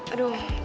aduh tadi gue